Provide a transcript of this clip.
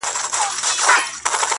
اشتها تر غاښ لاندي ده.